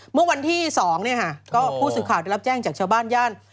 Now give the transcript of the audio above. เมื่อวันที่๒ผู้ส๑๙๘๘ได้รับแจ้งชาวบ้านย่าน